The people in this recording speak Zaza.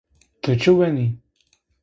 Ti çi wenî?